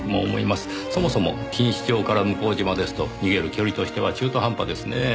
そもそも錦糸町から向島ですと逃げる距離としては中途半端ですねぇ。